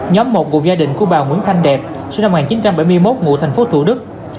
nhóm một gồm gia đình của bà nguyễn thanh đẹp sinh năm một nghìn chín trăm bảy mươi một ngụ thành phố thủ đức